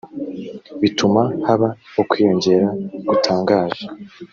bituma haba ukwiyongera gutangaje